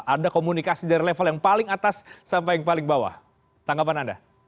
ada komunikasi dari level yang paling atas sampai yang paling bawah tanggapan anda